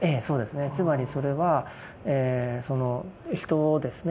つまりそれはその人をですね